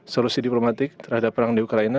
solusi diplomatik terhadap perang di ukraina